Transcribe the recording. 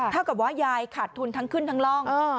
เท่ากับว่ายายขาดทุนทั้งขึ้นทั้งร่อง